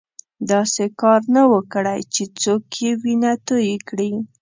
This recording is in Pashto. داسې کار نه وو کړی چې څوک یې وینه توی کړي.